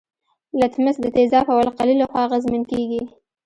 لتمس د تیزاب او القلي له خوا اغیزمن کیږي.